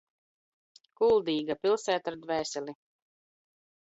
Kuldīga- pilsēta ar dvēseli.